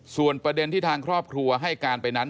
ส่วนประเด็นที่ทางครอบครัวให้การไปนั้น